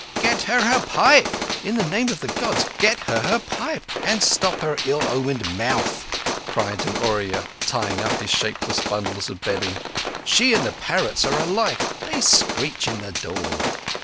"Get her her pipe. In the name of the Gods, get her her pipe and stop her ill omened mouth," cried an Oorya, tying up his shapeless bundles of bedding. "She and the parrots are alike. They screech in the dawn."